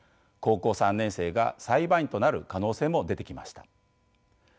高校３年生が裁判員となる可能性も出てきました。